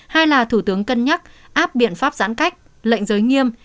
hai là thủ tướng cân nhắc áp biện pháp giãn cách lệnh giới nghiêm